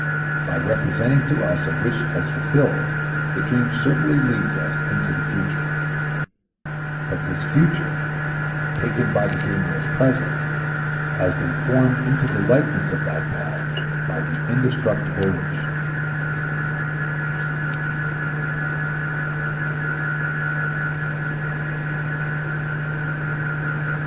By representing to us a wish as fulfilled the dream certainly leads us into the future; but this future, taken by the dreamer as present, has been formed into the likeness of that past by the indestructible wish.